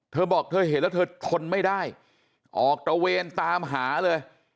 เธอบอกเธอเห็นแล้วเธอทนไม่ได้ออกตระเวนตามหาเลย